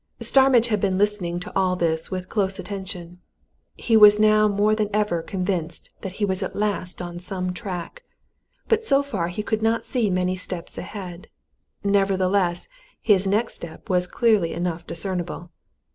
Starmidge had been listening to all this with close attention. He was now more than ever convinced that he was at last on some track but so far he could not see many steps ahead. Nevertheless, his next step was clearly enough discernible.